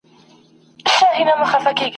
داسي ورځ درڅخه غواړم را خبر مي خپل ملیار کې !.